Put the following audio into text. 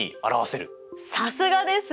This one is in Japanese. さすがですね！